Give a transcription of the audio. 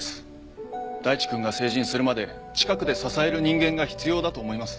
大地くんが成人するまで近くで支える人間が必要だと思います。